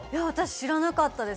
知らなかったです。